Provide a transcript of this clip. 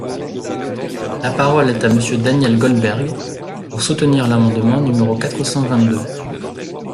La parole est à Monsieur Daniel Goldberg, pour soutenir l’amendement numéro quatre cent vingt-deux.